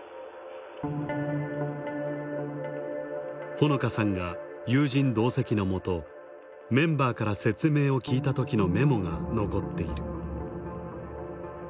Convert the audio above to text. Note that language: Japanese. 穂野香さんが友人同席のもとメンバーから説明を聞いた時のメモが残っている。